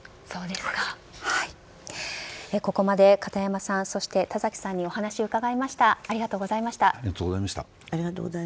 ここまで片山さんそして田崎さんにお話を伺いました。